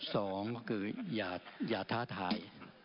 สองก็คืออย่าท้าทาย